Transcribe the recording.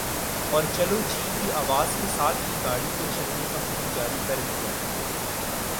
اور چلو جی کی آواز کے ساتھ ہی گاڑی کو چلنے کا حکم جاری کر دیا